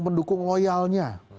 ada pendukung loyalnya